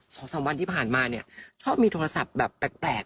สองสามวันที่ผ่านมาเนี่ยชอบมีโทรศัพท์แบบแปลก